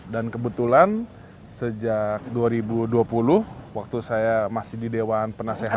dan kebetulan sejak dua ribu dua puluh waktu saya masih di dewan penasehat